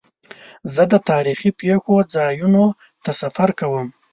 زه د تاریخي پېښو ځایونو ته سفر کوم.